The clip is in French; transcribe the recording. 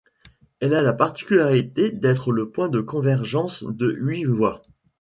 Elle a la particularité d'être le point de convergence de huit voies.